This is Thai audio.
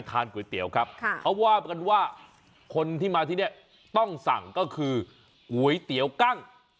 ก๋วยเตี๋ยวครับเขาว่ากันว่าคนที่มาที่นี่ต้องสั่งก็คือก๋วยเตี๋ยวกั้ง